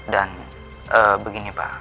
dan begini pak